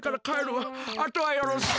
あとはよろしく。